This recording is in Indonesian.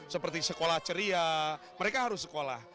seperti sekolah ceria mereka harus sekolah